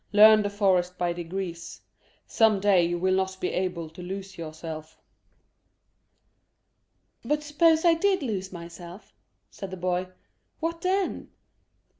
Learn the forest by degrees. Some day you will not be able to lose yourself." "But suppose I did lose myself," said the boy; "what then?"